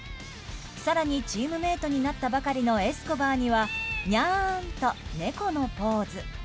更に、チームメートになったばかりのエスコバーにはにゃーんと猫のポーズ。